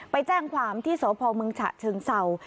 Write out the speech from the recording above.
ไปแจ้งความที่สพเมืองฉะเชิงเศร้า